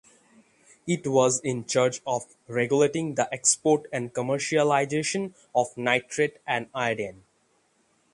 It was in charge of regulating the export and commercialization of nitrate and iodine.